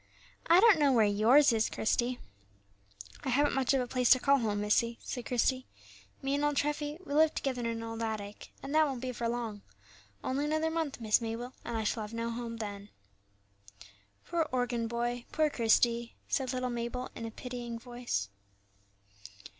"I don't know where yours is, Christie." "I haven't much of a place to call home, missie," said Christie; "me and old Treffy, we live together in an old attic, and that won't be for long, only another month, Miss Mabel, and I shall have no home then." "Poor organ boy, poor Christie!" said little Mabel, in a pitying voice.